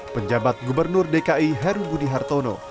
penjabat gubernur dki heru budi hartono